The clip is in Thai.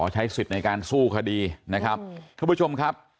ใช้สิทธิ์ในการสู้คดีนะครับทุกผู้ชมครับ